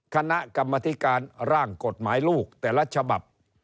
คณะกรรมธิการร่างกฎหมายลูกแต่ละฉบับ